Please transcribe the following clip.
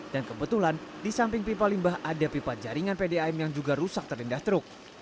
dan kebetulan di samping pipa limbah ada pipa jaringan pdam yang juga rusak terlindah teruk